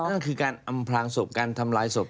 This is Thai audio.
นั่นก็คือการอำพลางศพการทำลายศพ